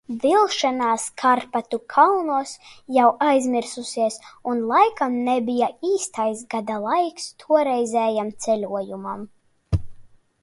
Vilšanās Karpatu kalnos jau aizmirsusies un laikam nebija īstais gada laiks toreizējam ceļojumam.